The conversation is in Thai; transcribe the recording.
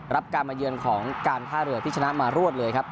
รับการมาเยือนของการท่าเรือที่ชนะมารวดเลยครับ